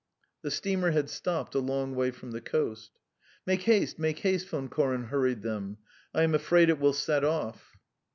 The steamer had stopped a long way from the coast. "Make haste, make haste," Von Koren hurried them. "I am afraid it will set off."